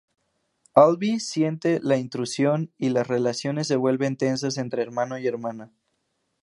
Alby siente la intrusión y las relaciones se vuelven tensas entre hermano y hermana.